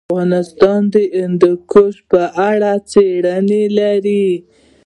افغانستان د هندوکش په اړه څېړنې لري.